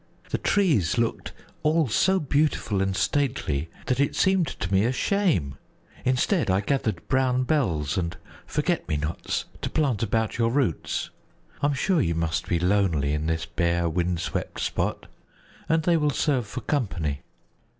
"The trees looked all so beautiful and stately that it seemed to me a shame. Instead I gathered brown bells and forget me nots to plant about your roots. I am sure you must be lonely in this bare wind swept spot, and they will serve for company."